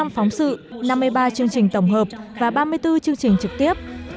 một mươi phóng sự năm mươi ba chương trình tổng hợp và ba mươi bốn chương trình trực tiếp